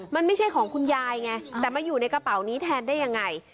มันไม่ใช่ของคุณยายไงแต่มาอยู่ในกระเป๋านี้แทนได้ยังไง